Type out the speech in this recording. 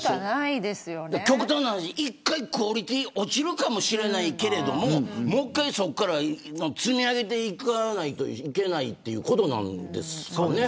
極端な話、一回クオリティー落ちるかもしれないけれどそこから積み上げていかないといけないということなんですかね。